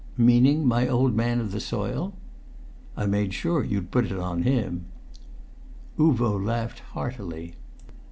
"Meaning my old man of the soil?" "I made sure you'd put it on him." Uvo laughed heartily.